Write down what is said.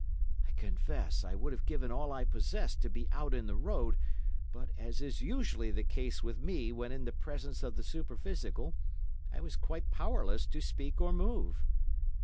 I confess I would have given all I possessed to be out in the road, but, as is usually the case with me when in the presence of the superphysical, I was quite powerless to speak or move.